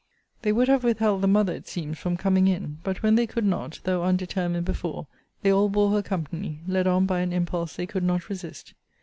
They would have withheld the mother, it seems, from coming in. But when they could not, though undetermined before, they all bore her company, led on by an impulse they could not resist.